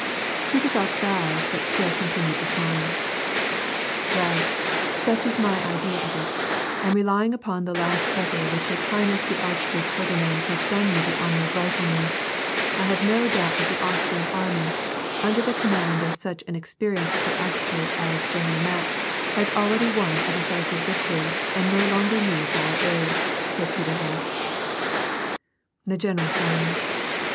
Kutuzof bowed but still continued to smile. " Well, such is my idea of it, and relying upon the last letter which his highness the Archduke Ferdinand has done me the honor of writing me, I have no doubt that the Austrian army, under the command of such an experienced coadjutor as General Mack, has already won a decisive victory and no longer needs our aid," said Kutuzof. The general frowned.